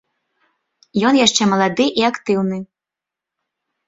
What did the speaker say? Ён яшчэ малады і актыўны.